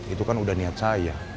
itu kan udah niat saya